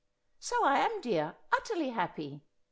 ' So I am, dear, utterly happy.